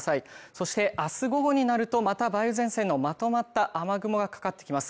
そして明日午後になるとまた梅雨前線がまとまった雨雲がかかってきます。